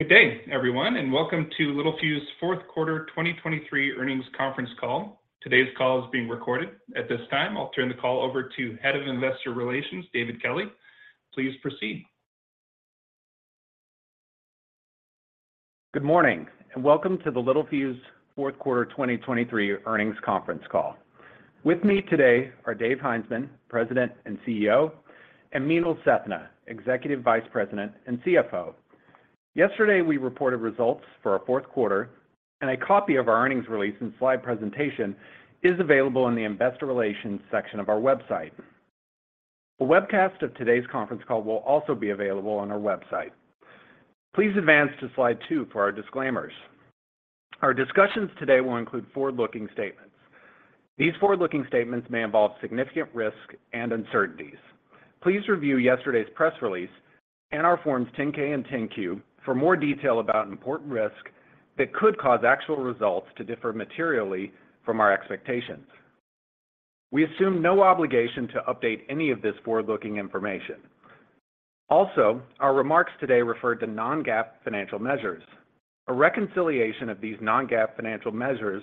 Good day, everyone, and welcome to Littelfuse's fourth quarter 2023 earnings conference call. Today's call is being recorded. At this time, I'll turn the call over to Head of Investor Relations, David Kelley. Please proceed. Good morning, and welcome to the Littelfuse fourth quarter 2023 earnings conference call. With me today are Dave Heinzmann, President and CEO, and Meenal Sethna, Executive Vice President and CFO. Yesterday, we reported results for our fourth quarter, and a copy of our earnings release and slide presentation is available in the investor relations section of our website. A webcast of today's conference call will also be available on our website. Please advance to slide 2 for our disclaimers. Our discussions today will include forward-looking statements. These forward-looking statements may involve significant risk and uncertainties. Please review yesterday's press release and our Forms 10-K and 10-Q for more detail about important risks that could cause actual results to differ materially from our expectations. We assume no obligation to update any of this forward-looking information. Also, our remarks today refer to non-GAAP financial measures. A reconciliation of these non-GAAP financial measures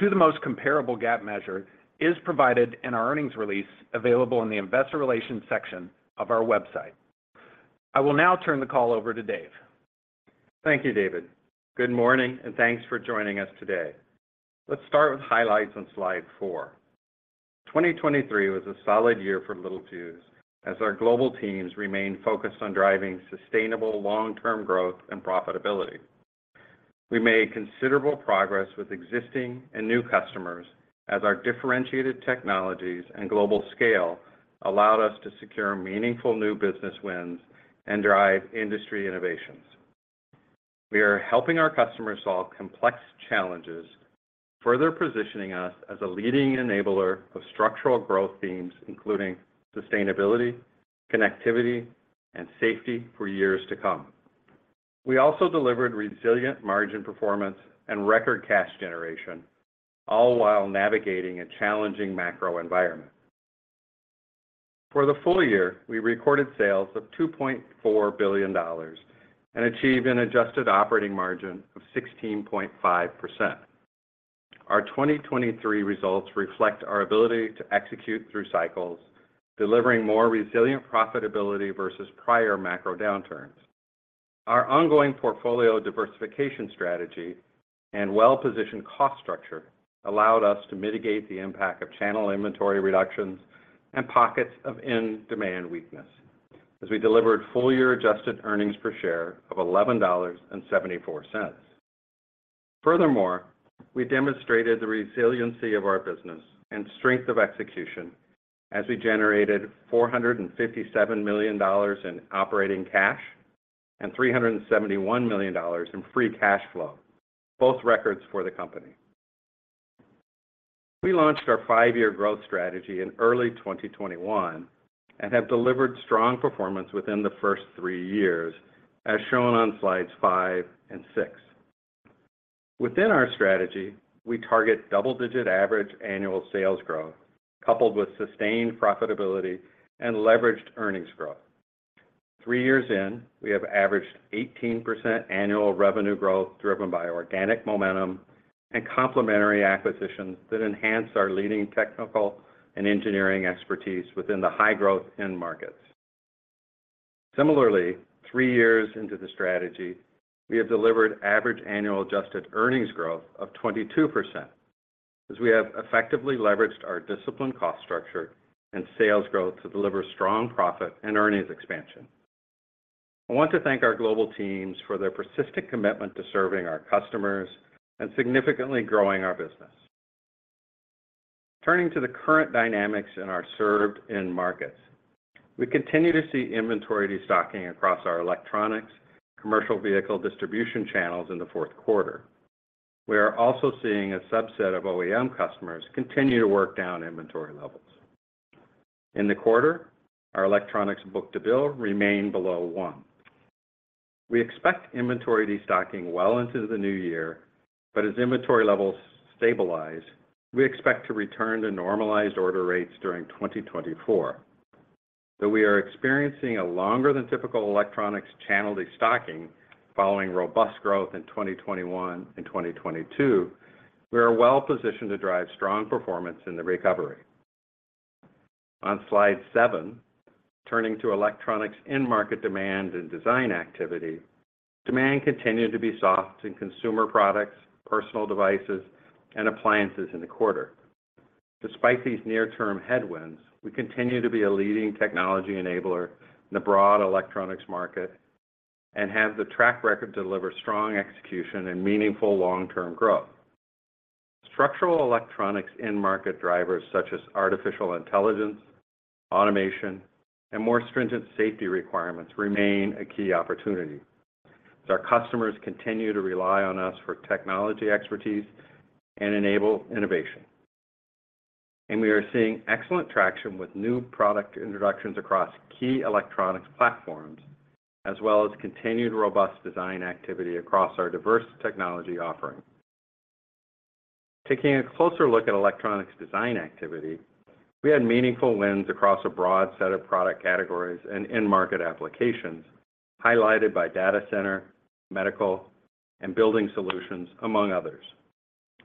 to the most comparable GAAP measure is provided in our earnings release, available in the investor relations section of our website. I will now turn the call over to Dave. Thank you, David. Good morning, and thanks for joining us today. Let's start with highlights on slide 4. 2023 was a solid year for Littelfuse, as our global teams remained focused on driving sustainable long-term growth and profitability. We made considerable progress with existing and new customers as our differentiated technologies and global scale allowed us to secure meaningful new business wins and drive industry innovations. We are helping our customers solve complex challenges, further positioning us as a leading enabler of structural growth themes, including sustainability, connectivity, and safety for years to come. We also delivered resilient margin performance and record cash generation, all while navigating a challenging macro environment. For the full year, we recorded sales of $2.4 billion and achieved an adjusted operating margin of 16.5%. Our 2023 results reflect our ability to execute through cycles, delivering more resilient profitability versus prior macro downturns. Our ongoing portfolio diversification strategy and well-positioned cost structure allowed us to mitigate the impact of channel inventory reductions and pockets of end demand weakness, as we delivered full-year adjusted earnings per share of $11.74. Furthermore, we demonstrated the resiliency of our business and strength of execution as we generated $457 million in operating cash and $371 million in free cash flow, both records for the company. We launched our 5-year growth strategy in early 2021 and have delivered strong performance within the first three years, as shown on slides 5 and 6. Within our strategy, we target double-digit average annual sales growth, coupled with sustained profitability and leveraged earnings growth. 3 years in, we have averaged 18% annual revenue growth, driven by organic momentum and complementary acquisitions that enhance our leading technical and engineering expertise within the high-growth end markets. Similarly, 3 years into the strategy, we have delivered average annual adjusted earnings growth of 22%, as we have effectively leveraged our disciplined cost structure and sales growth to deliver strong profit and earnings expansion. I want to thank our global teams for their persistent commitment to serving our customers and significantly growing our business. Turning to the current dynamics in our served end markets, we continue to see inventory destocking across our electronics commercial vehicle distribution channels in the fourth quarter. We are also seeing a subset of OEM customers continue to work down inventory levels. In the quarter, our electronics book-to-bill remained below 1. We expect inventory destocking well into the new year, but as inventory levels stabilize, we expect to return to normalized order rates during 2024. Though we are experiencing a longer than typical electronics channel destocking following robust growth in 2021 and 2022, we are well positioned to drive strong performance in the recovery. On slide 7, turning to electronics end market demand and design activity, demand continued to be soft in consumer products, personal devices, and appliances in the quarter. Despite these near-term headwinds, we continue to be a leading technology enabler in the broad electronics market and have the track record to deliver strong execution and meaningful long-term growth. Structural electronics end market drivers such as artificial intelligence, automation, and more stringent safety requirements remain a key opportunity as our customers continue to rely on us for technology expertise and enable innovation. We are seeing excellent traction with new product introductions across key electronics platforms, as well as continued robust design activity across our diverse technology offerings. Taking a closer look at electronics design activity, we had meaningful wins across a broad set of product categories and end market applications, highlighted by data center, medical, and building solutions, among others.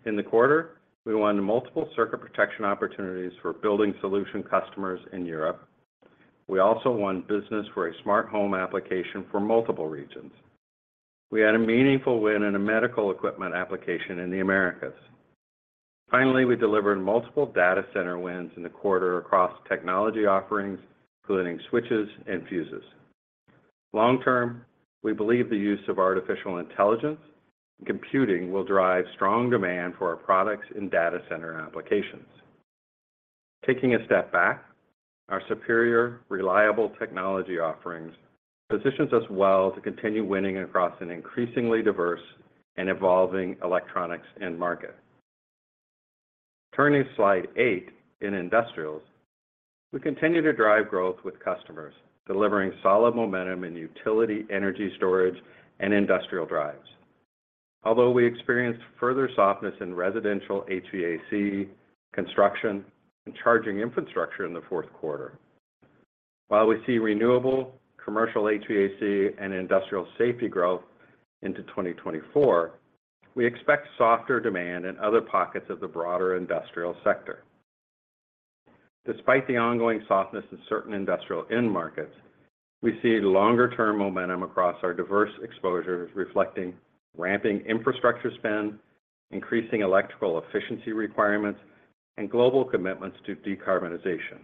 In the quarter, we won multiple circuit protection opportunities for building solution customers in Europe. We also won business for a smart home application for multiple regions. We had a meaningful win in a medical equipment application in the Americas. Finally, we delivered multiple data center wins in the quarter across technology offerings, including switches and fuses. Long term, we believe the use of artificial intelligence and computing will drive strong demand for our products in data center applications. Taking a step back, our superior, reliable technology offerings positions us well to continue winning across an increasingly diverse and evolving electronics end market. Turning to Slide 8, in industrials, we continue to drive growth with customers, delivering solid momentum in utility, energy storage, and industrial drives. Although we experienced further softness in residential HVAC, construction, and charging infrastructure in the fourth quarter, while we see renewable, commercial HVAC, and industrial safety growth into 2024, we expect softer demand in other pockets of the broader industrial sector. Despite the ongoing softness in certain industrial end markets, we see longer-term momentum across our diverse exposures, reflecting ramping infrastructure spend, increasing electrical efficiency requirements, and global commitments to decarbonization.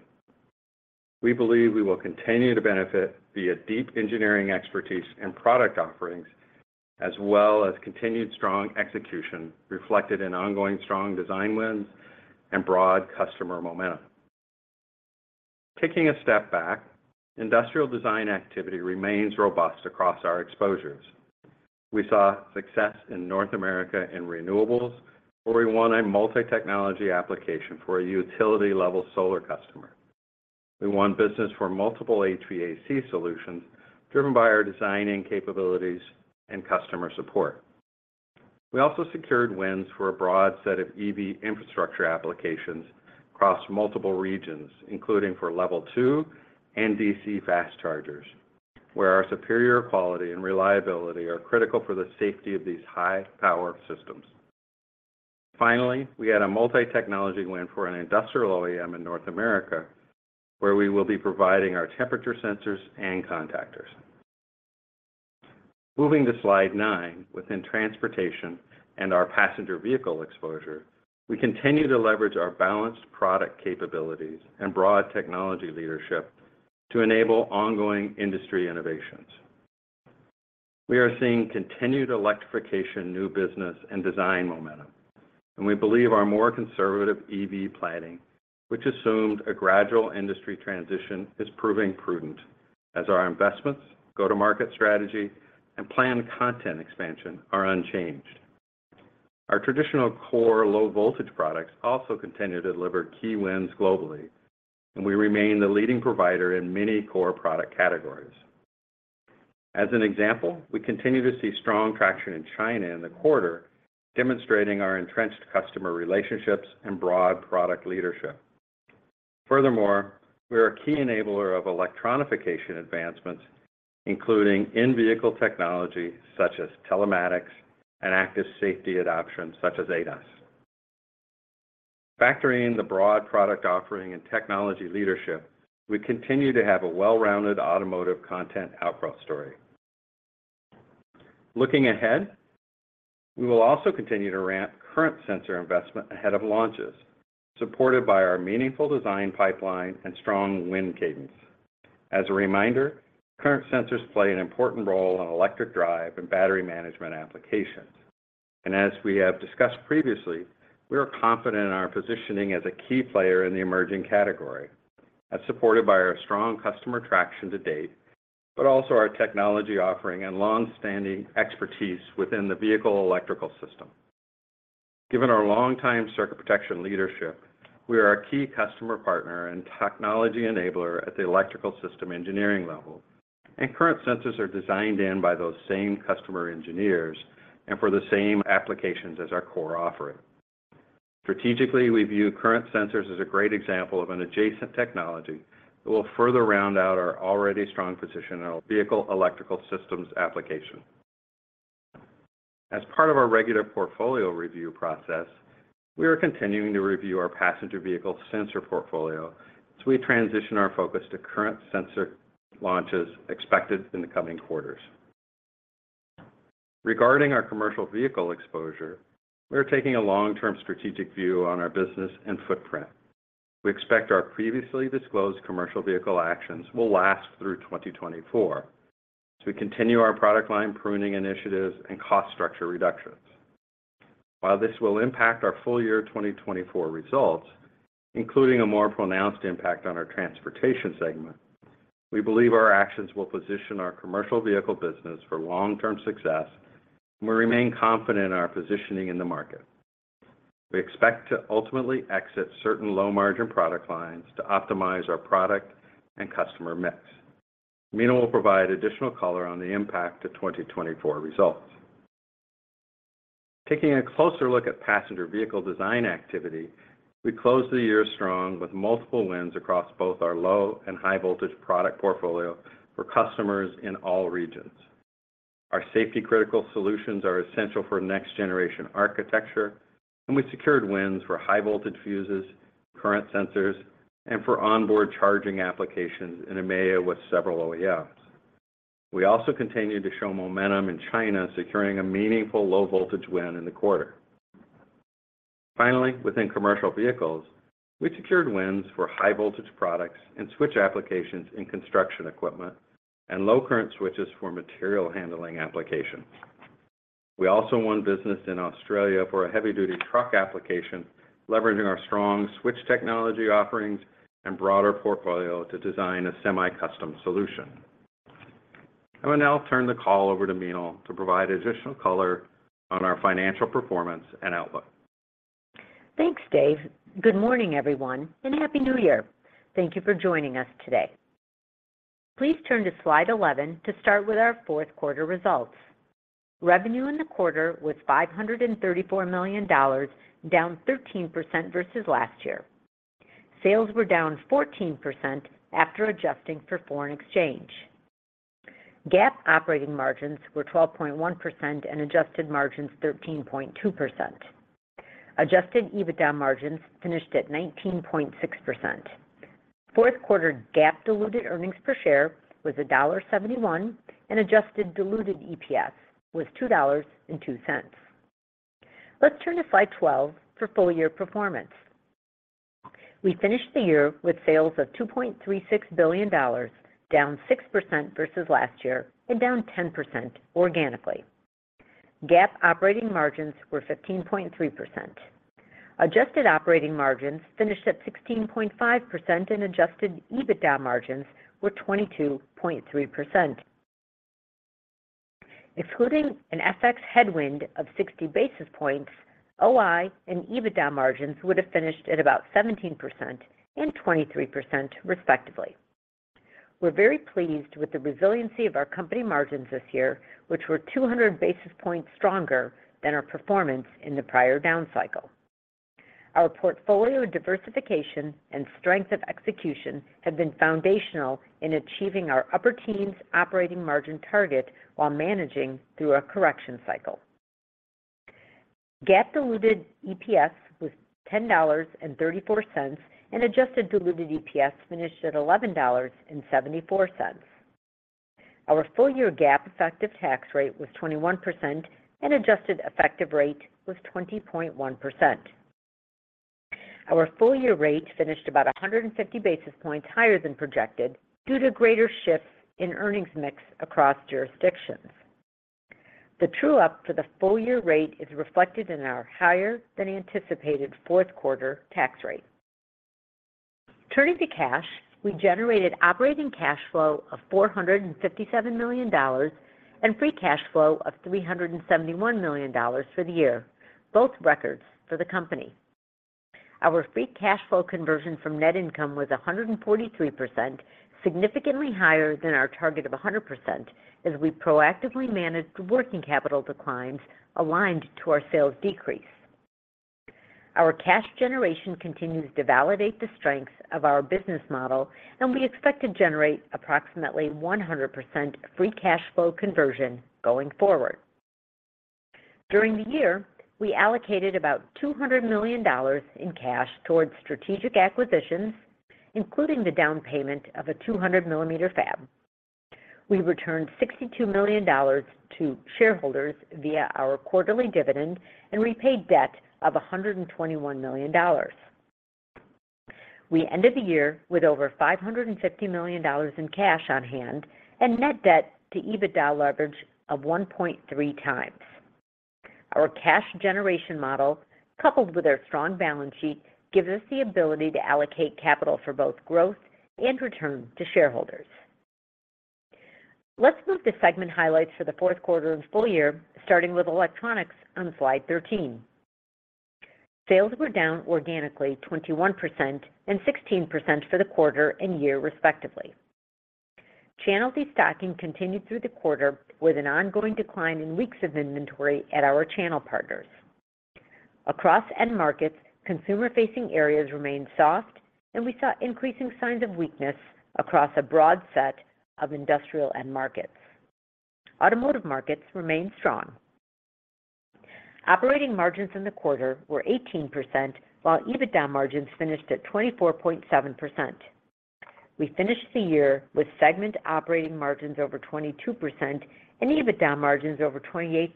We believe we will continue to benefit via deep engineering expertise and product offerings, as well as continued strong execution, reflected in ongoing strong design wins and broad customer momentum. Taking a step back, industrial design activity remains robust across our exposures. We saw success in North America in renewables, where we won a multi-technology application for a utility-level solar customer. We won business for multiple HVAC solutions, driven by our designing capabilities and customer support. We also secured wins for a broad set of EV infrastructure applications across multiple regions, including for Level Two and DC Fast Chargers, where our superior quality and reliability are critical for the safety of these high-power systems. Finally, we had a multi-technology win for an industrial OEM in North America, where we will be providing our temperature sensors and contactors. Moving to Slide 9, within transportation and our passenger vehicle exposure, we continue to leverage our balanced product capabilities and broad technology leadership to enable ongoing industry innovations. We are seeing continued electrification, new business, and design momentum, and we believe our more conservative EV planning, which assumed a gradual industry transition, is proving prudent as our investments, go-to-market strategy, and planned content expansion are unchanged. Our traditional core low-voltage products also continue to deliver key wins globally, and we remain the leading provider in many core product categories. As an example, we continue to see strong traction in China in the quarter, demonstrating our entrenched customer relationships and broad product leadership. Furthermore, we are a key enabler of electrification advancements, including in-vehicle technology such as telematics and active safety adoption, such as ADAS. Factoring the broad product offering and technology leadership, we continue to have a well-rounded automotive content outgrow story. Looking ahead, we will also continue to ramp current sensor investment ahead of launches, supported by our meaningful design pipeline and strong win cadence. As a reminder, current sensors play an important role in electric drive and battery management applications. As we have discussed previously, we are confident in our positioning as a key player in the emerging category, as supported by our strong customer traction to date, but also our technology offering and long-standing expertise within the vehicle electrical system. Given our longtime circuit protection leadership, we are a key customer partner and technology enabler at the electrical system engineering level, and current sensors are designed in by those same customer engineers and for the same applications as our core offering. Strategically, we view current sensors as a great example of an adjacent technology that will further round out our already strong position in our vehicle electrical systems application. As part of our regular portfolio review process, we are continuing to review our passenger vehicle sensor portfolio as we transition our focus to current sensor launches expected in the coming quarters. Regarding our commercial vehicle exposure, we are taking a long-term strategic view on our business and footprint. We expect our previously disclosed commercial vehicle actions will last through 2024, as we continue our product line pruning initiatives and cost structure reductions. While this will impact our full year 2024 results, including a more pronounced impact on our transportation segment, we believe our actions will position our commercial vehicle business for long-term success, and we remain confident in our positioning in the market. We expect to ultimately exit certain low-margin product lines to optimize our product and customer mix.... Meenal will provide additional color on the impact to 2024 results. Taking a closer look at passenger vehicle design activity, we closed the year strong with multiple wins across both our low and high voltage product portfolio for customers in all regions. Our safety critical solutions are essential for next generation architecture, and we secured wins for high voltage fuses, current sensors, and for onboard charging applications in EMEA with several OEMs. We also continued to show momentum in China, securing a meaningful low voltage win in the quarter. Finally, within commercial vehicles, we secured wins for high voltage products and switch applications in construction equipment and low current switches for material handling applications. We also won business in Australia for a heavy-duty truck application, leveraging our strong switch technology offerings and broader portfolio to design a semi-custom solution. I will now turn the call over to Meenal to provide additional color on our financial performance and outlook. Thanks, Dave. Good morning, everyone, and Happy New Year! Thank you for joining us today. Please turn to slide 11 to start with our fourth quarter results. Revenue in the quarter was $534 million, down 13% versus last year. Sales were down 14% after adjusting for foreign exchange. GAAP operating margins were 12.1% and adjusted margins, 13.2%. Adjusted EBITDA margins finished at 19.6%. Fourth quarter GAAP diluted earnings per share was $1.71, and adjusted diluted EPS was $2.02. Let's turn to slide 12 for full year performance. We finished the year with sales of $2.36 billion, down 6% versus last year and down 10% organically. GAAP operating margins were 15.3%. Adjusted operating margins finished at 16.5%, and adjusted EBITDA margins were 22.3%. Excluding an FX headwind of 60 basis points, OI and EBITDA margins would have finished at about 17% and 23%, respectively. We're very pleased with the resiliency of our company margins this year, which were 200 basis points stronger than our performance in the prior down cycle. Our portfolio diversification and strength of execution have been foundational in achieving our upper teens operating margin target while managing through a correction cycle. GAAP diluted EPS was $10.34, and adjusted diluted EPS finished at $11.74. Our full-year GAAP effective tax rate was 21%, and adjusted effective rate was 20.1%. Our full-year rate finished about 150 basis points higher than projected, due to greater shifts in earnings mix across jurisdictions. The true-up for the full-year rate is reflected in our higher than anticipated fourth quarter tax rate. Turning to cash, we generated operating cash flow of $457 million and free cash flow of $371 million for the year, both records for the company. Our free cash flow conversion from net income was 143%, significantly higher than our target of 100%, as we proactively managed working capital declines aligned to our sales decrease. Our cash generation continues to validate the strengths of our business model, and we expect to generate approximately 100% free cash flow conversion going forward. During the year, we allocated about $200 million in cash towards strategic acquisitions, including the down payment of a 200-millimeter fab. We returned $62 million to shareholders via our quarterly dividend and repaid debt of $121 million. We ended the year with over $550 million in cash on hand and net debt to EBITDA leverage of 1.3 times. Our cash generation model, coupled with our strong balance sheet, gives us the ability to allocate capital for both growth and return to shareholders. Let's move to segment highlights for the fourth quarter and full year, starting with electronics on slide 13. Sales were down organically 21% and 16% for the quarter and year, respectively. Channel destocking continued through the quarter, with an ongoing decline in weeks of inventory at our channel partners. Across end markets, consumer-facing areas remained soft, and we saw increasing signs of weakness across a broad set of industrial end markets. Automotive markets remained strong. Operating margins in the quarter were 18%, while EBITDA margins finished at 24.7%. We finished the year with segment operating margins over 22% and EBITDA margins over 28%,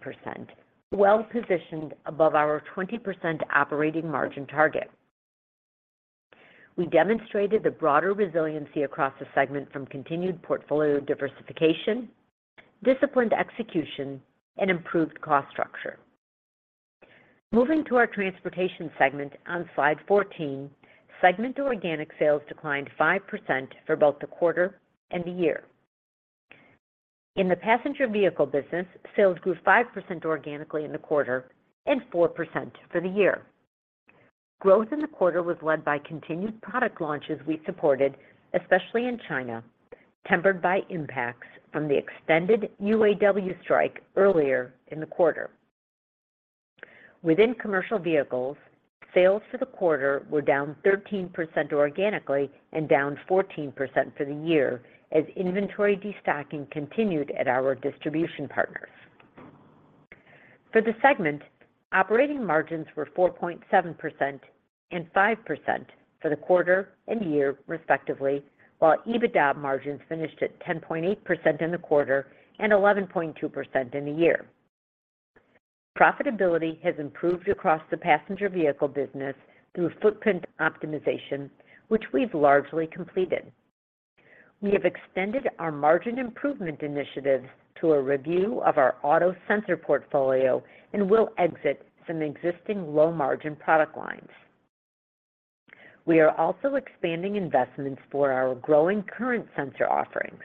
well-positioned above our 20% operating margin target. We demonstrated the broader resiliency across the segment from continued portfolio diversification, disciplined execution, and improved cost structure. Moving to our transportation segment on slide 14, segment organic sales declined 5% for both the quarter and the year.... In the passenger vehicle business, sales grew 5% organically in the quarter and 4% for the year. Growth in the quarter was led by continued product launches we supported, especially in China, tempered by impacts from the extended UAW strike earlier in the quarter. Within commercial vehicles, sales for the quarter were down 13% organically and down 14% for the year, as inventory destocking continued at our distribution partners. For the segment, operating margins were 4.7% and 5% for the quarter and year, respectively, while EBITDA margins finished at 10.8% in the quarter and 11.2% in the year. Profitability has improved across the passenger vehicle business through footprint optimization, which we've largely completed. We have extended our margin improvement initiatives to a review of our auto sensor portfolio and will exit some existing low-margin product lines. We are also expanding investments for our growing current sensor offerings.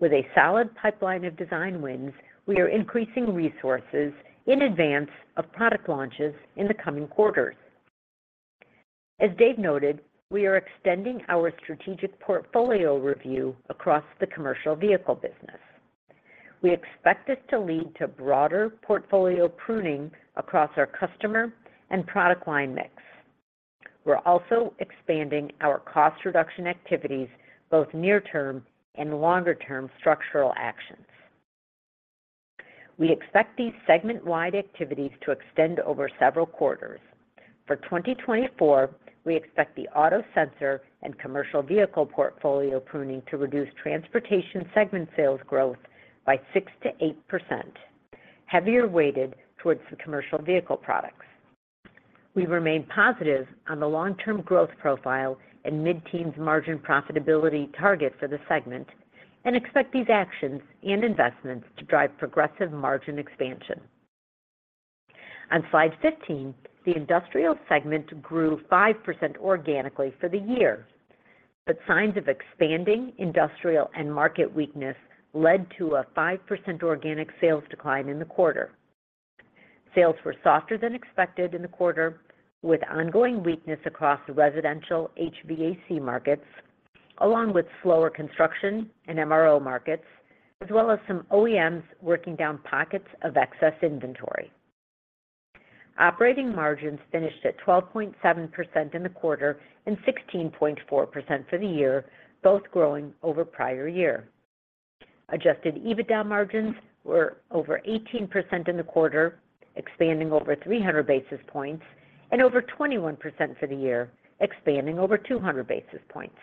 With a solid pipeline of design wins, we are increasing resources in advance of product launches in the coming quarters. As Dave noted, we are extending our strategic portfolio review across the commercial vehicle business. We expect this to lead to broader portfolio pruning across our customer and product line mix. We're also expanding our cost reduction activities, both near term and longer-term structural actions. We expect these segment-wide activities to extend over several quarters. For 2024, we expect the auto sensor and commercial vehicle portfolio pruning to reduce transportation segment sales growth by 6%-8%, heavier weighted towards the commercial vehicle products. We remain positive on the long-term growth profile and mid-teens margin profitability target for the segment, and expect these actions and investments to drive progressive margin expansion. On Slide 15, the industrial segment grew 5% organically for the year, but signs of expanding industrial and market weakness led to a 5% organic sales decline in the quarter. Sales were softer than expected in the quarter, with ongoing weakness across the residential HVAC markets, along with slower construction and MRO markets, as well as some OEMs working down pockets of excess inventory. Operating margins finished at 12.7% in the quarter and 16.4% for the year, both growing over prior year. Adjusted EBITDA margins were over 18% in the quarter, expanding over 300 basis points, and over 21% for the year, expanding over 200 basis points.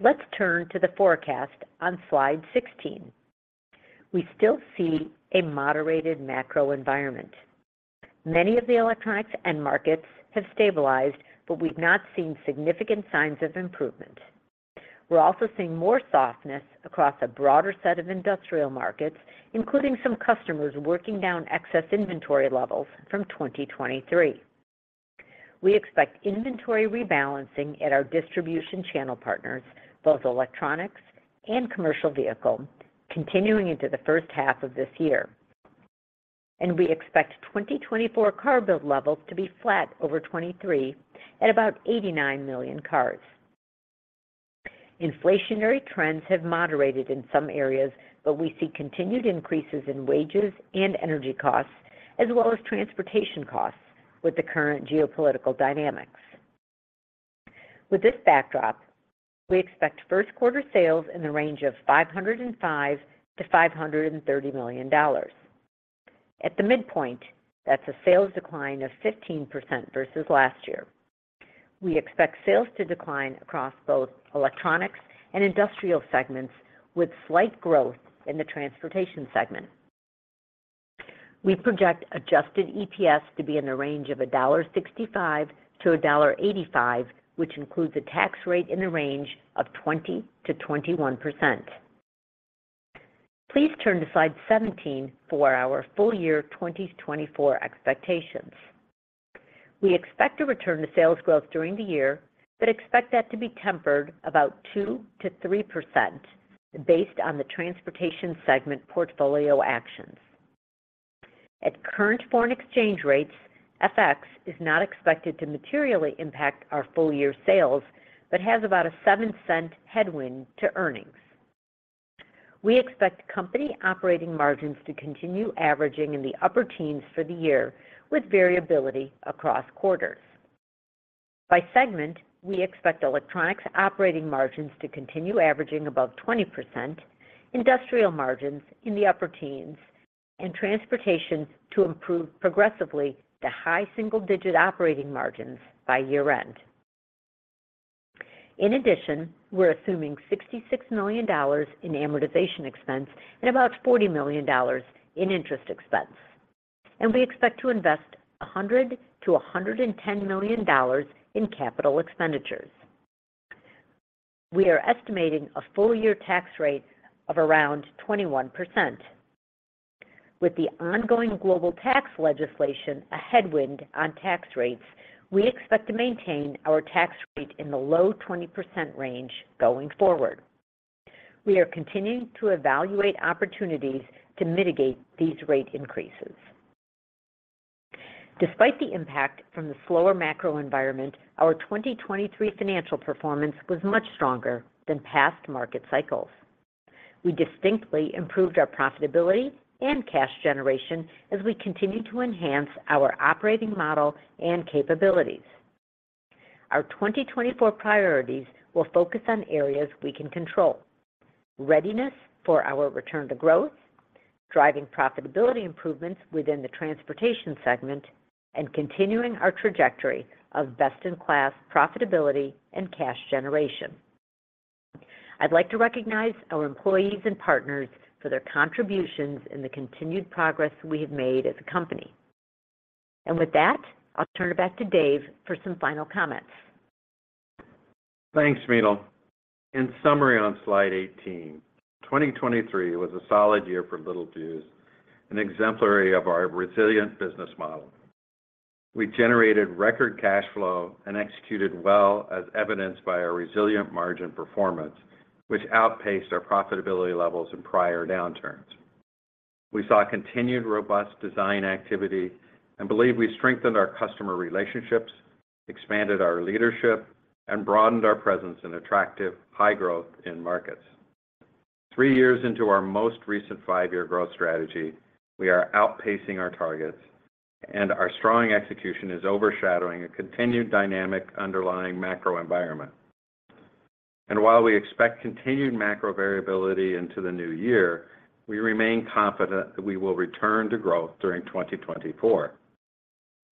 Let's turn to the forecast on Slide 16. We still see a moderated macro environment. Many of the electronics end markets have stabilized, but we've not seen significant signs of improvement. We're also seeing more softness across a broader set of industrial markets, including some customers working down excess inventory levels from 2023. We expect inventory rebalancing at our distribution channel partners, both electronics and commercial vehicle, continuing into the first half of this year. We expect 2024 car build levels to be flat over 2023 at about 89 million cars. Inflationary trends have moderated in some areas, but we see continued increases in wages and energy costs, as well as transportation costs with the current geopolitical dynamics. With this backdrop, we expect first quarter sales in the range of $505 million-$530 million. At the midpoint, that's a sales decline of 15% versus last year. We expect sales to decline across both electronics and industrial segments, with slight growth in the transportation segment. We project adjusted EPS to be in the range of $1.65-$1.85, which includes a tax rate in the range of 20%-21%. Please turn to Slide 17 for our full year 2024 expectations. We expect to return to sales growth during the year, but expect that to be tempered about 2%-3% based on the transportation segment portfolio actions. At current foreign exchange rates, FX is not expected to materially impact our full year sales, but has about a $0.07 headwind to earnings. We expect company operating margins to continue averaging in the upper teens for the year, with variability across quarters. By segment, we expect electronics operating margins to continue averaging above 20%, industrial margins in the upper teens, and transportation to improve progressively to high single digit operating margins by year-end. In addition, we're assuming $66 million in amortization expense and about $40 million in interest expense, and we expect to invest $100 million-$110 million in capital expenditures. We are estimating a full year tax rate of around 21%. With the ongoing global tax legislation a headwind on tax rates, we expect to maintain our tax rate in the low 20% range going forward. We are continuing to evaluate opportunities to mitigate these rate increases. Despite the impact from the slower macro environment, our 2023 financial performance was much stronger than past market cycles. We distinctly improved our profitability and cash generation as we continued to enhance our operating model and capabilities. Our 2024 priorities will focus on areas we can control: readiness for our return to growth, driving profitability improvements within the transportation segment, and continuing our trajectory of best-in-class profitability and cash generation. I'd like to recognize our employees and partners for their contributions and the continued progress we have made as a company. With that, I'll turn it back to Dave for some final comments. Thanks, Meenal. In summary, on slide 18, 2023 was a solid year for Littelfuse, and exemplary of our resilient business model. We generated record cash flow and executed well, as evidenced by our resilient margin performance, which outpaced our profitability levels in prior downturns. We saw continued robust design activity and believe we strengthened our customer relationships, expanded our leadership, and broadened our presence in attractive high growth end markets. Three years into our most recent five-year growth strategy, we are outpacing our targets, and our strong execution is overshadowing a continued dynamic underlying macro environment. And while we expect continued macro variability into the new year, we remain confident that we will return to growth during 2024.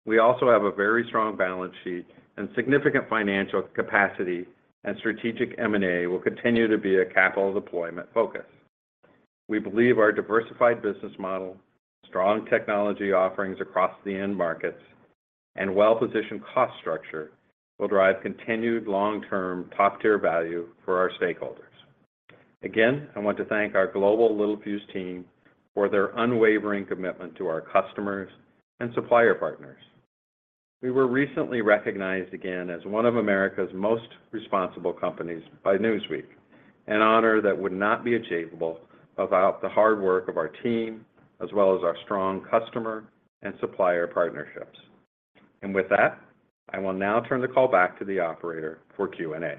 We also have a very strong balance sheet and significant financial capacity, and strategic M&A will continue to be a capital deployment focus. We believe our diversified business model, strong technology offerings across the end markets, and well-positioned cost structure will drive continued long-term top-tier value for our stakeholders. Again, I want to thank our global Littelfuse team for their unwavering commitment to our customers and supplier partners. We were recently recognized again as one of America's most responsible companies by Newsweek, an honor that would not be achievable without the hard work of our team, as well as our strong customer and supplier partnerships. With that, I will now turn the call back to the operator for Q&A.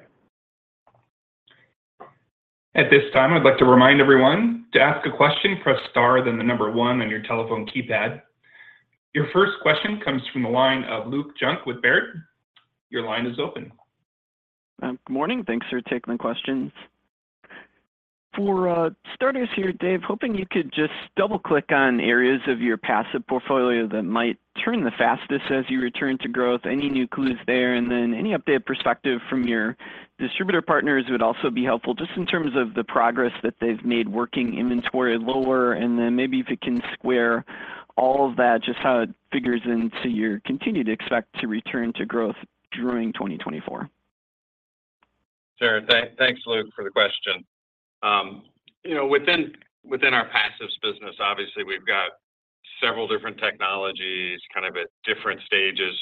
At this time, I'd like to remind everyone to ask a question, press Star, then the number one on your telephone keypad. Your first question comes from the line of Luke Junk with Baird. Your line is open. Good morning. Thanks for taking the questions. For starters here, Dave, hoping you could just double-click on areas of your passive portfolio that might turn the fastest as you return to growth. Any new clues there? And then any updated perspective from your distributor partners would also be helpful, just in terms of the progress that they've made working inventory lower, and then maybe if you can square all of that, just how it figures into your continued expect to return to growth during 2024. Sure. Thanks, Luke, for the question. You know, within our passives business, obviously, we've got several different technologies, kind of at different stages.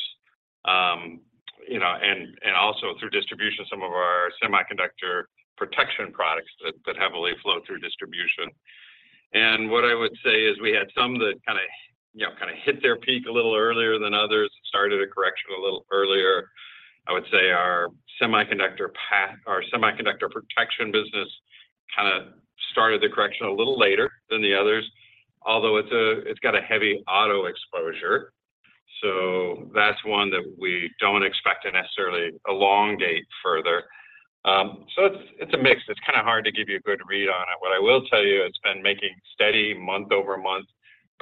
You know, and also through distribution, some of our semiconductor protection products that heavily flow through distribution. And what I would say is we had some that kind of, you know, kind of hit their peak a little earlier than others, started a correction a little earlier. I would say our semiconductor protection business kind of started the correction a little later than the others, although it's got a heavy auto exposure, so that's one that we don't expect to necessarily elongate further. So it's a mix. It's kind of hard to give you a good read on it. What I will tell you, it's been making steady month-over-month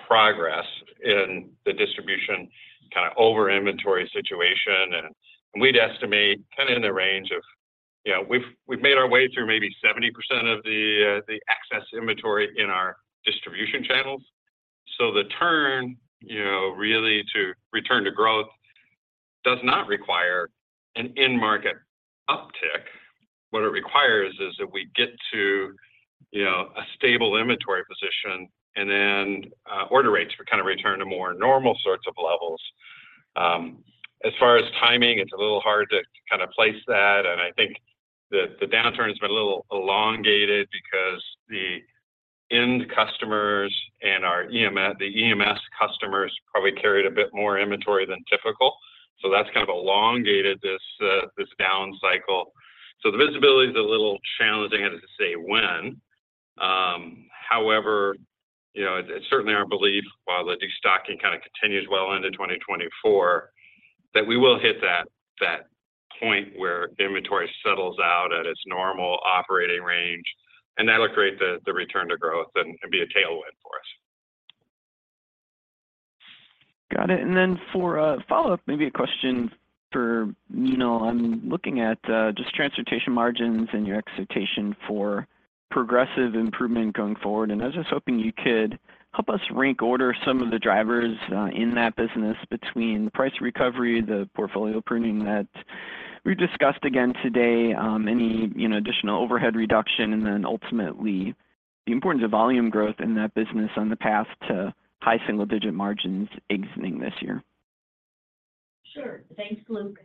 progress in the distribution, kind of over-inventory situation. And we'd estimate kind of in the range of... You know, we've made our way through maybe 70% of the excess inventory in our distribution channels. So the turn, you know, really to return to growth, does not require an end market uptick. What it requires is that we get to, you know, a stable inventory position, and then order rates kind of return to more normal sorts of levels. As far as timing, it's a little hard to kind of place that, and I think the downturn has been a little elongated because the end customers and our EMS, the EMS customers probably carried a bit more inventory than typical. So that's kind of elongated this down cycle. So the visibility is a little challenging as to say when. However, you know, it's certainly our belief, while the destocking kind of continues well into 2024, that we will hit that point where inventory settles out at its normal operating range, and that'll create the return to growth and be a tailwind for us. Got it. And then for a follow-up, maybe a question for Meenal. I'm looking at just transportation margins and your expectation for progressive improvement going forward, and I was just hoping you could help us rank order some of the drivers in that business between price recovery, the portfolio pruning we've discussed again today, any, you know, additional overhead reduction and then ultimately the importance of volume growth in that business on the path to high single-digit margins exiting this year. Sure. Thanks, Luke.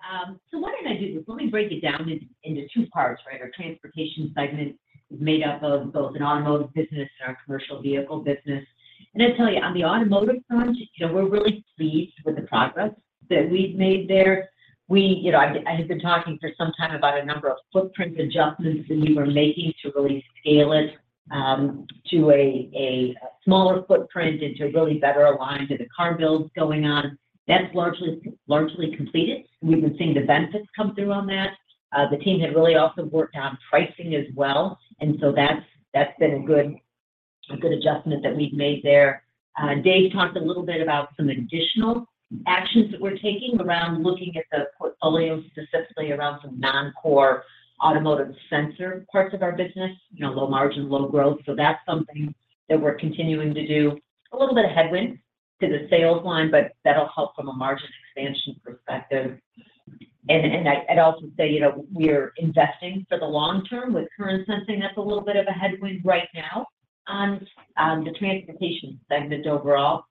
So why don't I do this? Let me break it down into, into two parts, right? Our transportation segment is made up of both an automotive business and our commercial vehicle business. And I'll tell you, on the automotive front, you know, we're really pleased with the progress that we've made there. We you know, I, I have been talking for some time about a number of footprint adjustments that we were making to really scale it, to a, a smaller footprint and to really better align to the car builds going on. That's largely, largely completed. We've been seeing the benefits come through on that. The team had really also worked on pricing as well, and so that's, that's been a good, a good adjustment that we've made there. Dave talked a little bit about some additional actions that we're taking around looking at the portfolio, specifically around some non-core automotive sensor parts of our business, you know, low margin, low growth. So that's something that we're continuing to do. A little bit of headwind to the sales line, but that'll help from a margin expansion perspective. And I'd also say, you know, we're investing for the long term with current sensing. That's a little bit of a headwind right now on the transportation segment overall.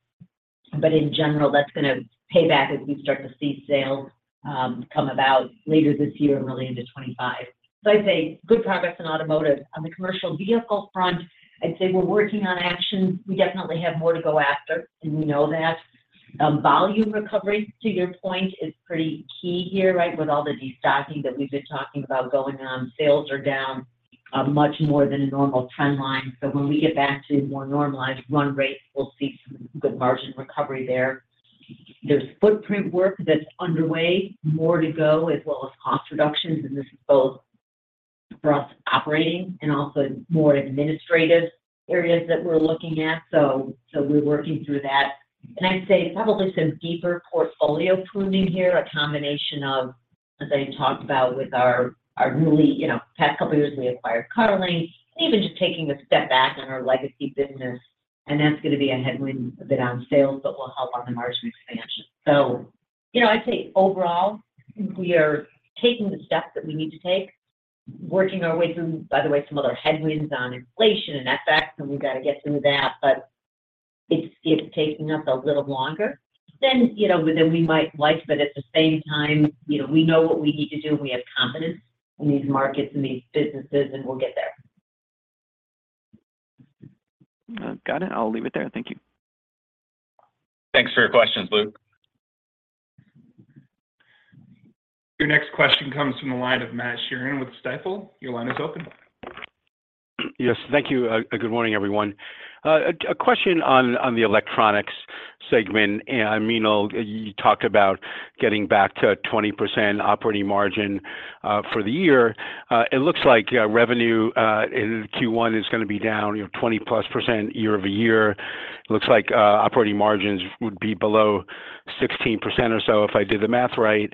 But in general, that's gonna pay back as we start to see sales come about later this year and really into 25. So I'd say good progress in automotive. On the commercial vehicle front, I'd say we're working on actions. We definitely have more to go after, and we know that. Volume recovery, to your point, is pretty key here, right? With all the destocking that we've been talking about going on, sales are down, much more than a normal trend line. So when we get back to more normalized run rates, we'll see some good margin recovery there. There's footprint work that's underway, more to go, as well as cost reductions, and this is both for us operating and also more administrative areas that we're looking at. So we're working through that. And I'd say probably some deeper portfolio pruning here, a combination of, as I talked about with our really, you know... Past couple years, we acquired Carling, and even just taking a step back on our legacy business, and that's gonna be a headwind a bit on sales, but will help on the margin expansion. So, you know, I'd say overall, we are taking the steps that we need to take, working our way through, by the way, some other headwinds on inflation and FX, and we've got to get through that. But it's, it's taking us a little longer than, you know, than we might like, but at the same time, you know, we know what we need to do, and we have confidence in these markets and these businesses, and we'll get there. Got it. I'll leave it there. Thank you. Thanks for your questions, Luke. Your next question comes from the line of Matt Sheerin with Stifel. Your line is open. Yes. Thank you. Good morning, everyone. A question on the electronics segment. And I mean, you talked about getting back to 20% operating margin for the year. It looks like revenue in Q1 is gonna be down, you know, 20+% year-over-year. It looks like operating margins would be below 16% or so, if I did the math right.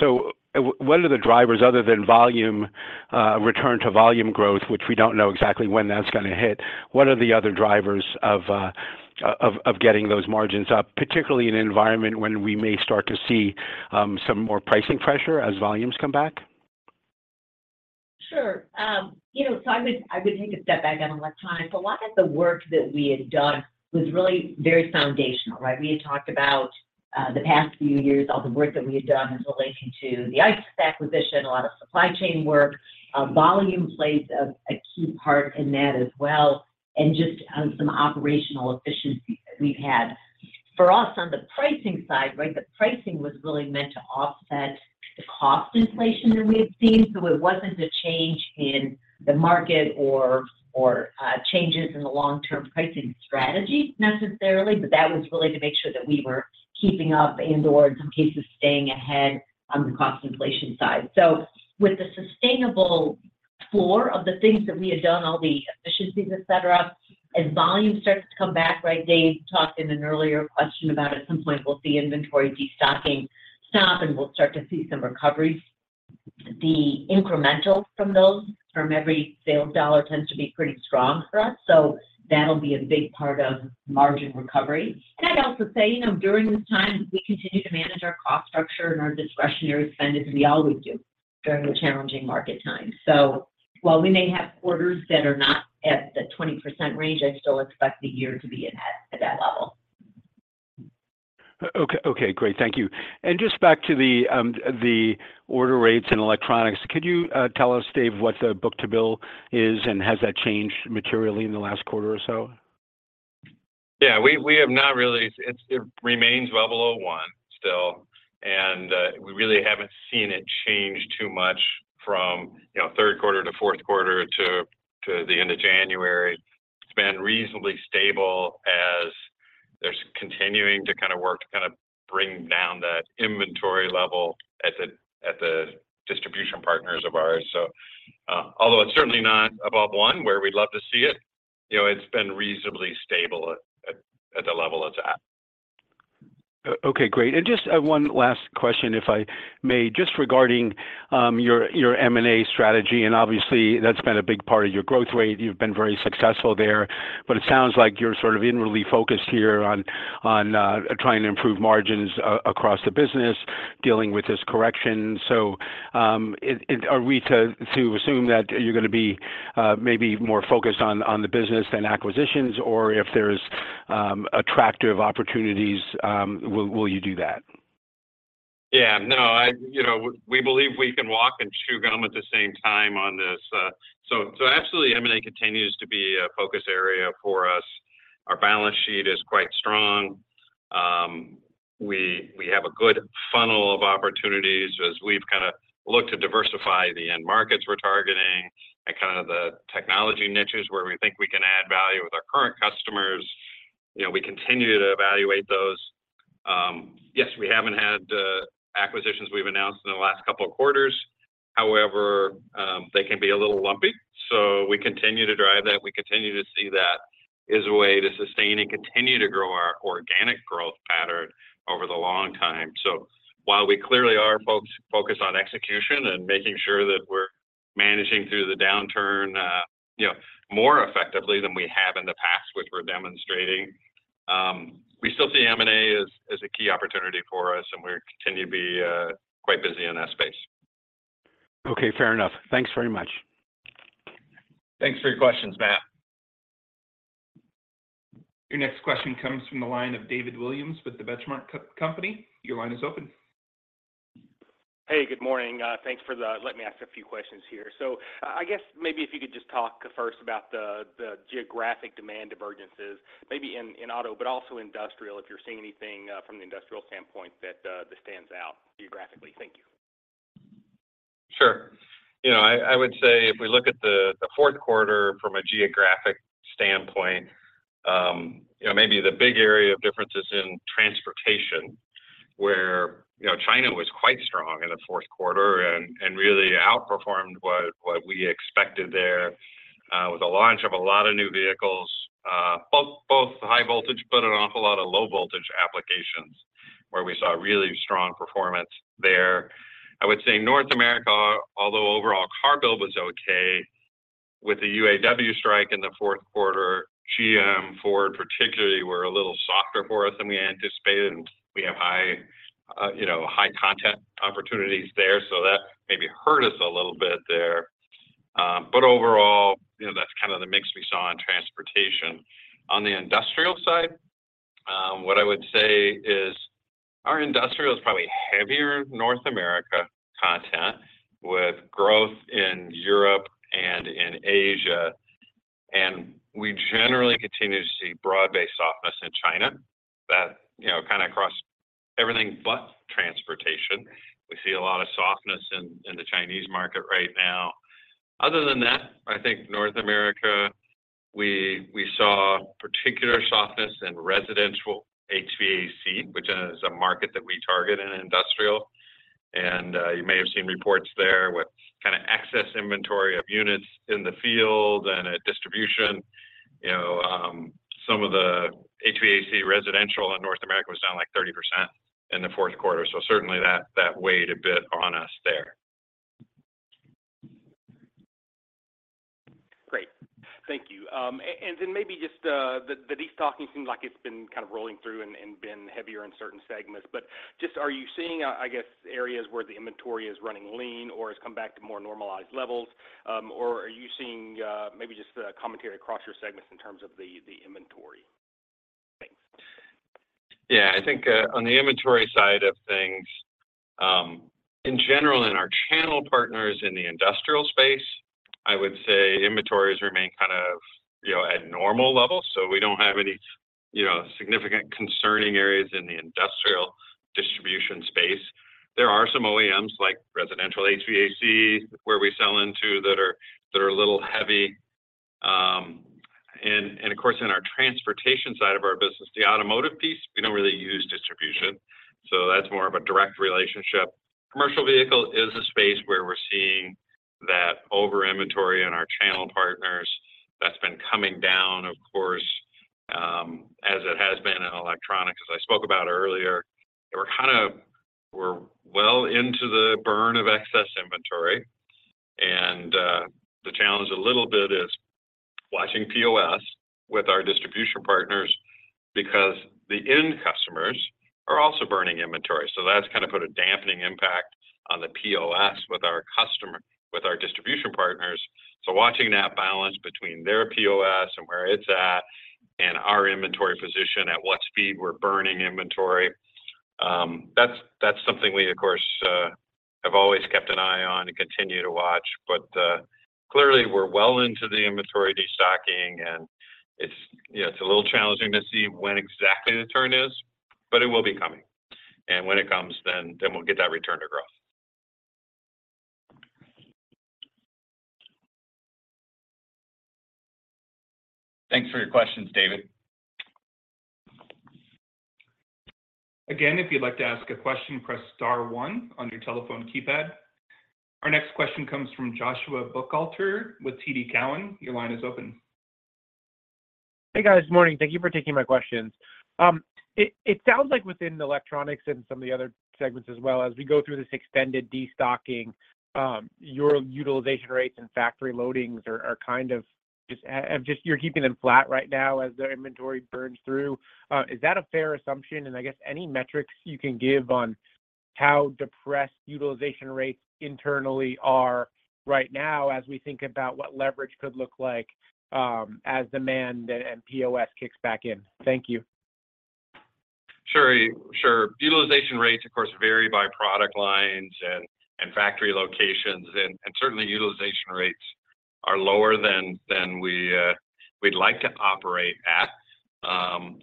So what are the drivers other than volume return to volume growth, which we don't know exactly when that's gonna hit? What are the other drivers of getting those margins up, particularly in an environment when we may start to see some more pricing pressure as volumes come back? Sure. You know, so I would, I would take a step back on electronics. A lot of the work that we had done was really very foundational, right? We had talked about the past few years, all the work that we had done in relation to the ICES acquisition, a lot of supply chain work. Volume plays a key part in that as well, and just some operational efficiency that we've had. For us, on the pricing side, right, the pricing was really meant to offset the cost inflation that we had seen. So it wasn't a change in the market or changes in the long-term pricing strategy necessarily, but that was really to make sure that we were keeping up and/or in some cases, staying ahead on the cost inflation side. So with the sustainable floor of the things that we had done, all the efficiencies, et cetera, as volume starts to come back, right, Dave talked in an earlier question about at some point we'll see inventory destocking stop, and we'll start to see some recoveries. The incremental from those, from every sales dollar tends to be pretty strong for us, so that'll be a big part of margin recovery. And I'd also say, you know, during this time, we continue to manage our cost structure and our discretionary spend, as we always do, during the challenging market times. So while we may have quarters that are not at the 20% range, I still expect the year to be at that level. Okay, okay, great. Thank you. And just back to the order rates and electronics, could you tell us, Dave, what the book-to-bill is, and has that changed materially in the last quarter or so? Yeah, we have not really. It remains well below one still, and we really haven't seen it change too much from, you know, third quarter to fourth quarter to the end of January. It's been reasonably stable as there's continuing to kind of work to kind of bring down that inventory level at the distribution partners of ours. So, although it's certainly not above one, where we'd love to see it, you know, it's been reasonably stable at the level it's at. ... Okay, great. And just one last question, if I may. Just regarding your M&A strategy, and obviously that's been a big part of your growth rate. You've been very successful there, but it sounds like you're sort of inwardly focused here on trying to improve margins across the business, dealing with this correction. So, are we to assume that you're gonna be maybe more focused on the business than acquisitions? Or if there's attractive opportunities, will you do that? Yeah, no, you know, we believe we can walk and chew gum at the same time on this. So, absolutely, M&A continues to be a focus area for us. Our balance sheet is quite strong. We have a good funnel of opportunities as we've kinda looked to diversify the end markets we're targeting and kinda the technology niches where we think we can add value with our current customers. You know, we continue to evaluate those. Yes, we haven't had acquisitions we've announced in the last couple of quarters. However, they can be a little lumpy, so we continue to drive that. We continue to see that as a way to sustain and continue to grow our organic growth pattern over the long time. So while we clearly are focused on execution and making sure that we're managing through the downturn, you know, more effectively than we have in the past, which we're demonstrating, we still see M&A as, as a key opportunity for us, and we continue to be quite busy in that space. Okay, fair enough. Thanks very much. Thanks for your questions, Matt. Your next question comes from the line of David Williams with the Benchmark Company. Your line is open. Hey, good morning. Thanks for letting me ask a few questions here. So I guess maybe if you could just talk first about the geographic demand divergences, maybe in auto, but also industrial, if you're seeing anything that stands out geographically. Thank you. Sure. You know, I would say if we look at the fourth quarter from a geographic standpoint, you know, maybe the big area of difference is in transportation, where, you know, China was quite strong in the fourth quarter and really outperformed what we expected there. With the launch of a lot of new vehicles, both high voltage, but an awful lot of low voltage applications, where we saw really strong performance there. I would say North America, although overall car build was okay, with the UAW strike in the fourth quarter, GM, Ford particularly, were a little softer for us than we anticipated, and we have high, you know, high content opportunities there. So that maybe hurt us a little bit there. But overall, you know, that's kind of the mix we saw in transportation. On the industrial side, what I would say is our industrial is probably heavier North America content, with growth in Europe and in Asia, and we generally continue to see broad-based softness in China that, you know, kind of crossed everything but transportation. We see a lot of softness in the Chinese market right now. Other than that, I think North America, we saw particular softness in residential HVAC, which is a market that we target in industrial. And, you may have seen reports there with kinda excess inventory of units in the field and at distribution. You know, some of the HVAC residential in North America was down, like, 30% in the fourth quarter, so certainly that weighed a bit on us there. Great. Thank you. And then maybe just the destocking seems like it's been kind of rolling through and been heavier in certain segments, but just are you seeing, I guess, areas where the inventory is running lean or has come back to more normalized levels? Or are you seeing maybe just commentary across your segments in terms of the inventory? Thanks. Yeah. I think, on the inventory side of things, in general, in our channel partners in the industrial space, I would say inventories remain kind of, you know, at normal levels. So we don't have any, you know, significant concerning areas in the industrial distribution space. There are some OEMs, like residential HVAC, where we sell into that are a little heavy. And of course, in our transportation side of our business, the automotive piece, we don't really use distribution, so that's more of a direct relationship. Commercial vehicle is a space where we're seeing that over-inventory in our channel partners. That's been coming down, of course, as it has been in electronics. As I spoke about earlier, we're kind of—we're well into the burn of excess inventory, and the challenge a little bit is watching POS with our distribution partners because the end customers are also burning inventory. So that's kind of put a dampening impact on the POS with our customers—with our distribution partners. So watching that balance between their POS and where it's at and our inventory position, at what speed we're burning inventory, that's, that's something we, of course, have always kept an eye on and continue to watch. But clearly, we're well into the inventory destocking, and it's, you know, it's a little challenging to see when exactly the turn is, but it will be coming. And when it comes, then, then we'll get that return to growth. Thanks for your questions, David. Again, if you'd like to ask a question, press star one on your telephone keypad. Our next question comes from Joshua Buchalter with TD Cowen. Your line is open.... Hey, guys. Morning. Thank you for taking my questions. It sounds like within the electronics and some of the other segments as well, as we go through this extended destocking, your utilization rates and factory loadings are kind of just you're keeping them flat right now as their inventory burns through. Is that a fair assumption? And I guess any metrics you can give on how depressed utilization rates internally are right now, as we think about what leverage could look like, as demand and POS kicks back in? Thank you. Sure, sure. Utilization rates, of course, vary by product lines and factory locations, and certainly utilization rates are lower than we'd like to operate at.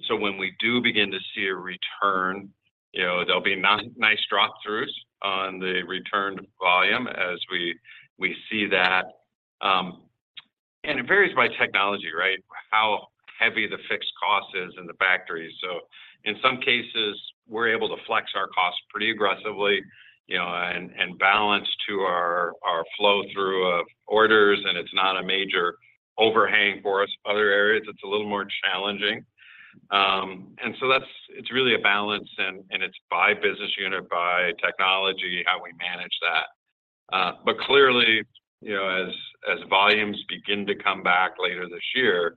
So when we do begin to see a return, you know, there'll be nice drop-throughs on the returned volume as we see that. And it varies by technology, right? How heavy the fixed cost is in the factory. So in some cases, we're able to flex our costs pretty aggressively, you know, and balance to our flow through of orders, and it's not a major overhang for us. Other areas, it's a little more challenging. And so that's it really a balance, and it's by business unit, by technology, how we manage that. Clearly, you know, as volumes begin to come back later this year,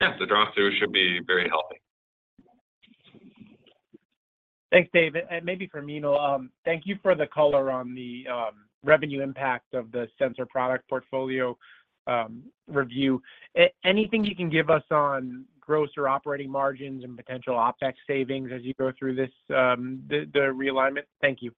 yes, the drop-through should be very healthy. Thanks, Dave. And maybe for Meenal, thank you for the color on the revenue impact of the sensor product portfolio review. Anything you can give us on gross or operating margins and potential OpEx savings as you go through this, the realignment? Thank you.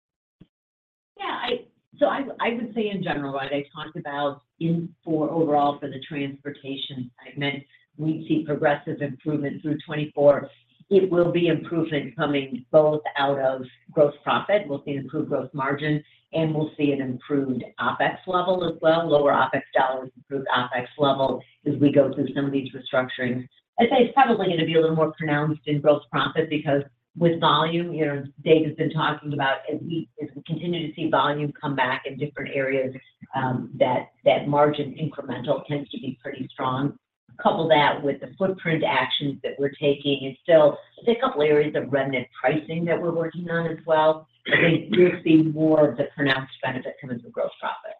Yeah, so I, I would say in general, what they talked about earlier for overall for the transportation segment, we see progressive improvement through 2024. It will be improvement coming both out of gross profit. We'll see improved gross margin, and we'll see an improved OpEx level as well, lower OpEx dollars, improved OpEx level as we go through some of these restructurings. I'd say it's probably gonna be a little more pronounced in gross profit because with volume, you know, Dave has been talking about, as we, as we continue to see volume come back in different areas, that, that incremental margin tends to be pretty strong. Couple that with the footprint actions that we're taking, and still, I think a couple of areas of remnant pricing that we're working on as well. I think we'll see more of the pronounced benefit coming from gross profit.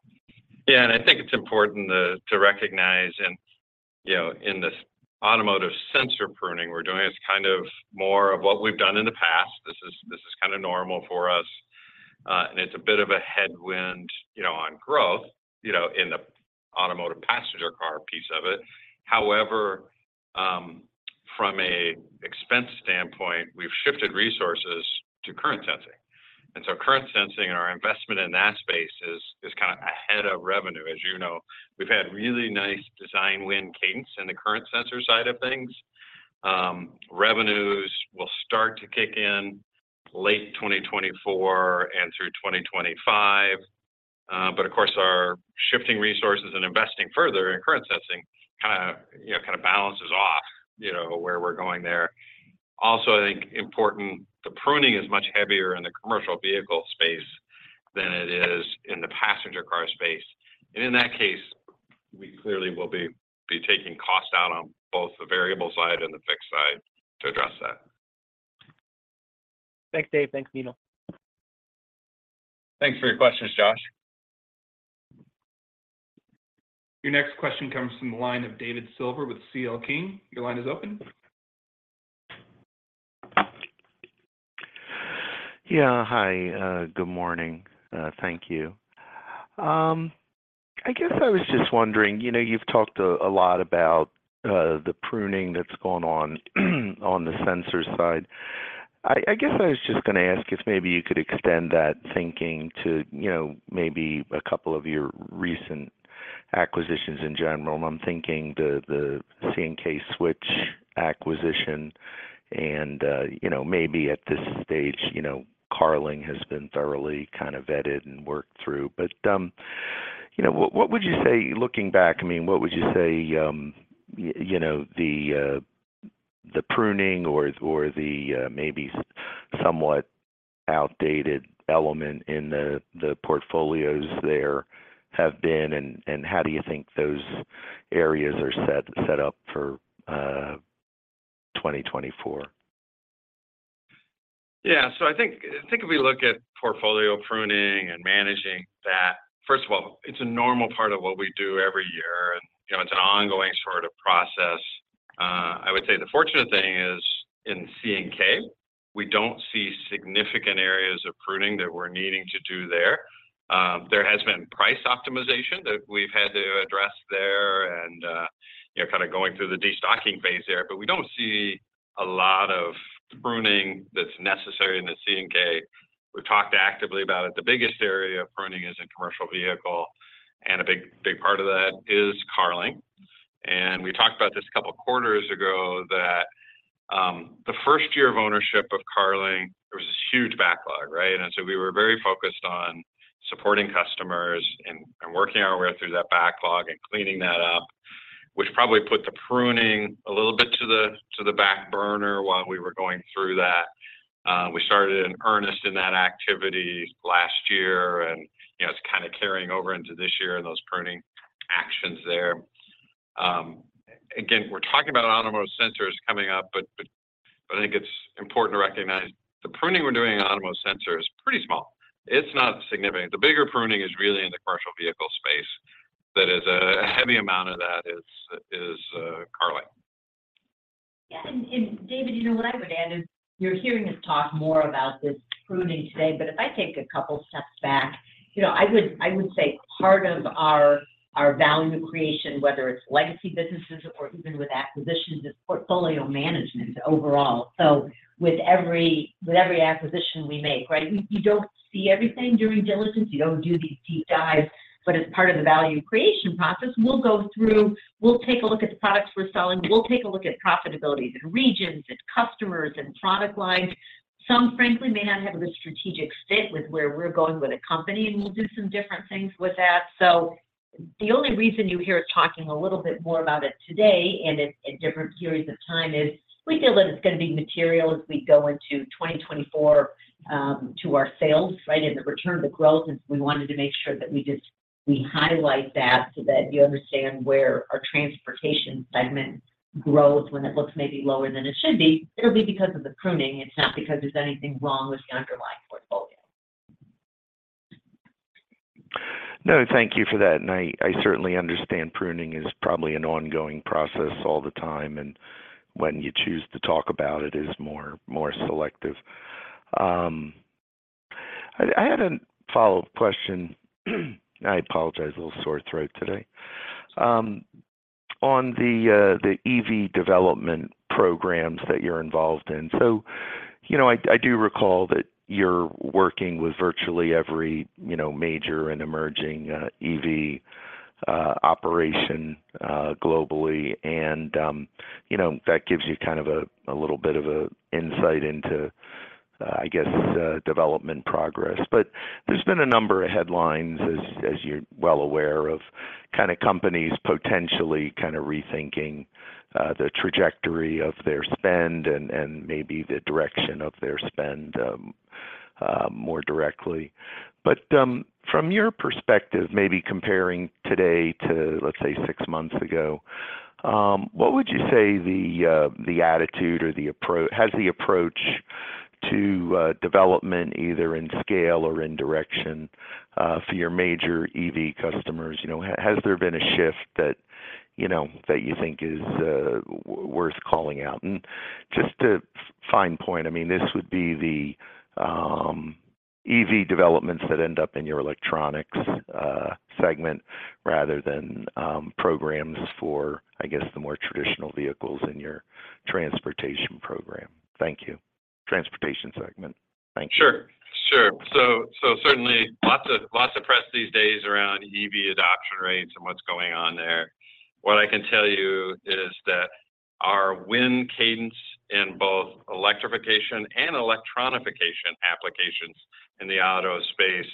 Yeah, and I think it's important to recognize and, you know, in this automotive sensor pruning we're doing, it's kind of more of what we've done in the past. This is kind of normal for us, and it's a bit of a headwind, you know, on growth, you know, in the automotive passenger car piece of it. However, from an expense standpoint, we've shifted resources to current sensing. And so current sensing and our investment in that space is kind of ahead of revenue. As you know, we've had really nice design win cadence in the current sensor side of things. Revenues will start to kick in late 2024 and through 2025. But of course, our shifting resources and investing further in current sensing kind of, you know, kind of balances off, you know, where we're going there. Also, I think important, the pruning is much heavier in the commercial vehicle space than it is in the passenger car space. In that case, we clearly will be taking cost out on both the variable side and the fixed side to address that. Thanks, Dave. Thanks, Meenal. Thanks for your questions, Josh. Your next question comes from the line of David Silver with CL King. Your line is open. Yeah, hi, good morning, thank you. I guess I was just wondering, you know, you've talked a lot about the pruning that's going on on the sensor side. I guess I was just gonna ask if maybe you could extend that thinking to, you know, maybe a couple of your recent acquisitions in general. I'm thinking the C&K Switches acquisition and, you know, maybe at this stage, you know, Carling has been thoroughly kind of vetted and worked through. But, you know, what would you say, looking back, I mean, what would you say, you know, the pruning or the maybe somewhat outdated element in the portfolios there have been, and how do you think those areas are set up for 2024? Yeah. So I think, I think if we look at portfolio pruning and managing that, first of all, it's a normal part of what we do every year, and, you know, it's an ongoing sort of process. I would say the fortunate thing is, in C&K, we don't see significant areas of pruning that we're needing to do there. There has been price optimization that we've had to address there and, you know, kind of going through the destocking phase there, but we don't see a lot of pruning that's necessary in the C&K. We've talked actively about it. The biggest area of pruning is in commercial vehicle, and a big, big part of that is Carling. And we talked about this a couple of quarters ago, that, the first year of ownership of Carling, there was this huge backlog, right? So we were very focused on supporting customers and working our way through that backlog and cleaning that up, which probably put the pruning a little bit to the back burner while we were going through that. We started in earnest in that activity last year, and you know, it's kind of carrying over into this year and those pruning actions there. Again, we're talking about automotive sensors coming up, but I think it's important to recognize the pruning we're doing on automotive sensors is pretty small. It's not significant. The bigger pruning is really in the commercial vehicle space. That is, a heavy amount of that is Carling. Yeah, and, and David, you know, what I would add is, you're hearing us talk more about this pruning today, but if I take a couple steps back, you know, I would, I would say part of our, our value creation, whether it's legacy businesses or even with acquisitions, is portfolio management overall. So with every, with every acquisition we make, right, you don't see everything during diligence. You don't do these deep dives. But as part of the value creation process, we'll go through. We'll take a look at the products we're selling. We'll take a look at profitabilities in regions, and customers, and product lines. Some, frankly, may not have a good strategic fit with where we're going with the company, and we'll do some different things with that. So the only reason you hear us talking a little bit more about it today and at different periods of time is, we feel that it's gonna be material as we go into 2024 to our sales, right? And the return to growth is we wanted to make sure that we just, we highlight that so that you understand where our transportation segment growth, when it looks maybe lower than it should be, it'll be because of the pruning. It's not because there's anything wrong with the underlying portfolio. No, thank you for that. And I certainly understand pruning is probably an ongoing process all the time, and when you choose to talk about it, it is more, more selective. I had a follow-up question, I apologize, a little sore throat today. On the EV development programs that you're involved in. So, you know, I do recall that you're working with virtually every, you know, major and emerging EV operation globally. And you know, that gives you kind of a little bit of insight into, I guess, development progress. But there's been a number of headlines, as you're well aware, of kind of companies potentially kind of rethinking the trajectory of their spend and maybe the direction of their spend more directly. From your perspective, maybe comparing today to, let's say, six months ago, what would you say the attitude or the approach - has the approach to development, either in scale or in direction, for your major EV customers, you know, has there been a shift that, you know, that you think is worth calling out? And just to fine point, I mean, this would be the EV developments that end up in your electronics segment, rather than programs for, I guess, the more traditional vehicles in your transportation program. Thank you. Transportation segment. Thank you. Sure, sure. So, so certainly, lots of, lots of press these days around EV adoption rates and what's going on there. What I can tell you is that our win cadence in both electrification and electronification applications in the auto space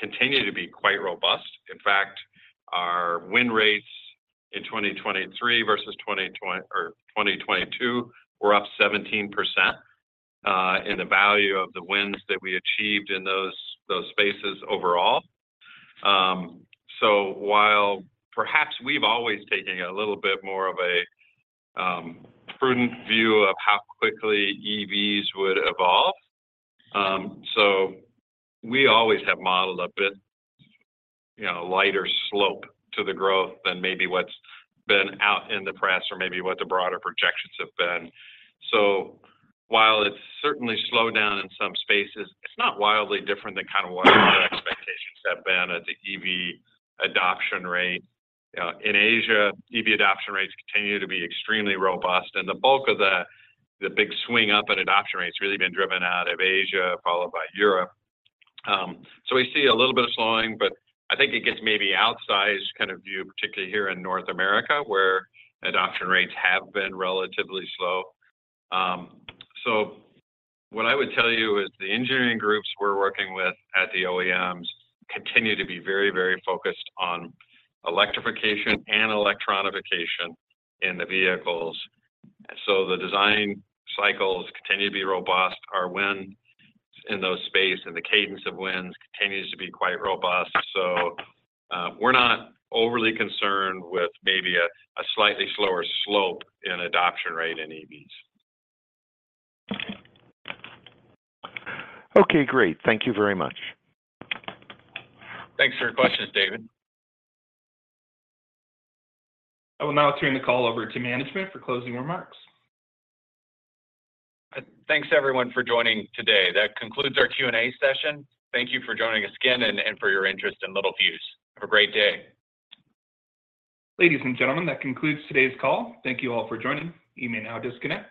continue to be quite robust. In fact, our win rates in 2023 versus 2022 were up 17%, in the value of the wins that we achieved in those, those spaces overall. So while perhaps we've always taken a little bit more of a prudent view of how quickly EVs would evolve, so we always have modeled a bit, you know, lighter slope to the growth than maybe what's been out in the press or maybe what the broader projections have been. So while it's certainly slowed down in some spaces, it's not wildly different than kind of what our expectations have been at the EV adoption rate. In Asia, EV adoption rates continue to be extremely robust, and the bulk of the big swing up in adoption rates really been driven out of Asia, followed by Europe. So we see a little bit of slowing, but I think it gets maybe outsized kind of view, particularly here in North America, where adoption rates have been relatively slow. So what I would tell you is the engineering groups we're working with at the OEMs continue to be very, very focused on electrification and electronification in the vehicles. So the design cycles continue to be robust. Our wins in those spaces and the cadence of wins continues to be quite robust. We're not overly concerned with maybe a slightly slower slope in adoption rate in EVs. Okay, great. Thank you very much. Thanks for your questions, David. I will now turn the call over to management for closing remarks. Thanks, everyone, for joining today. That concludes our Q&A session. Thank you for joining us again and for your interest in Littelfuse. Have a great day. Ladies and gentlemen, that concludes today's call. Thank you all for joining. You may now disconnect.